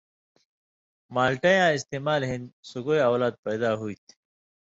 مالٹئ یاں استمال ہِن سُگائ اولاد پیدا ہوتھی۔